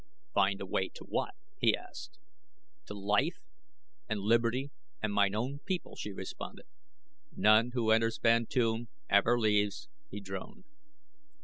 "Find a way to what?" he asked. "To life and liberty and mine own people," she responded. "None who enters Bantoom ever leaves," he droned.